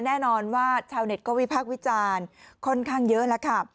แน่นอนว่าชาวเน็ตก็วิพากษ์วิจารณ์ค่อนข้างเยอะแล้วค่ะ